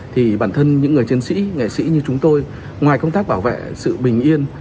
thì bản thân những người chiến sĩ nghệ sĩ như chúng tôi ngoài công tác bảo vệ sự bình yên